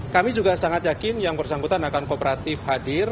kami juga sangat yakin yang bersangkutan akan kooperatif hadir